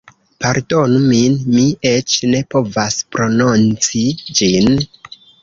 Pardonu min, mi eĉ ne povas prononci ĝin